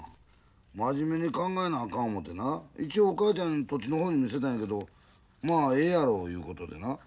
真面目に考えなあかん思てな一応お母ちゃんに土地の方見せたんやけどまあええやろいうことでな。